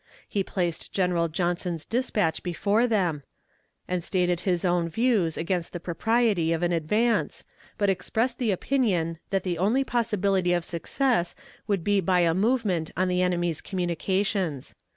He placed General Johnston's dispatch before them, and stated his own views against the propriety of an advance, but expressed the opinion that the only possibility of success would be by a movement on the enemy's communications.